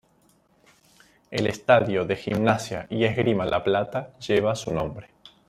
El estadio de Gimnasia y Esgrima La Plata lleva su nombre.